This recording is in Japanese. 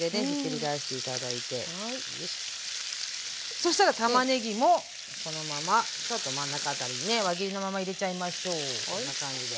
そしたらたまねぎもこのままちょっと真ん中辺りにね輪切りのまま入れちゃいましょうこんな感じで。